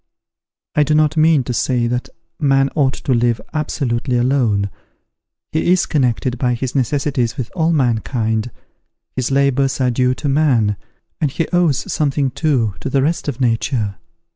I do not mean to say that man ought to live absolutely alone; he is connected by his necessities with all mankind; his labours are due to man: and he owes something too to the rest of nature.